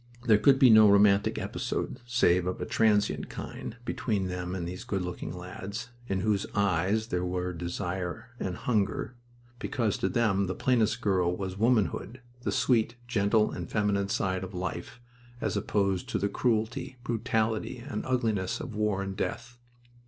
There could be no romantic episode, save of a transient kind, between them and these good looking lads in whose eyes there were desire and hunger, because to them the plainest girl was Womanhood, the sweet, gentle, and feminine side of life, as opposed to the cruelty, brutality, and ugliness of war and death.